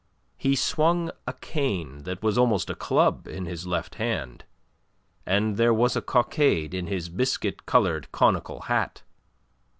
He swung a cane that was almost a club in his left hand, and there was a cockade in his biscuit coloured, conical hat.